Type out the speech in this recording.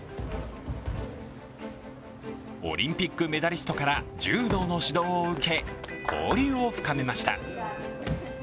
オリンピックメダリストから柔道の指導を受け、交流を深めました。